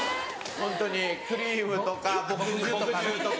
ホントにクリームとか墨汁とか。